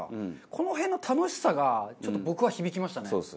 この辺の楽しさがちょっと僕は響きましたね。